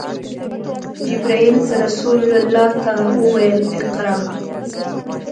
جبرئیل رسول الله ته وویل: “اقرأ!”